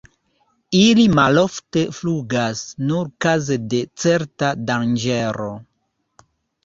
Ili malofte flugas, nur kaze de certa danĝero.